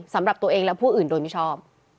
สำหรับตัวเองและผู้อื่นโดยมิชอบ